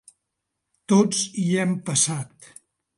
Tots hi hem passat.